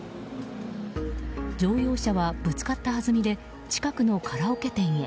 乗用車は、ぶつかったはずみで近くのカラオケ店へ。